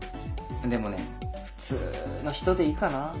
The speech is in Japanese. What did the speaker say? でもね普通の人でいいかな。